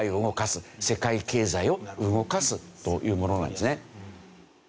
世界経済を動かすというものなんですね。